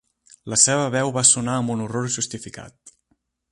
La seva veu va sonar amb un horror justificat.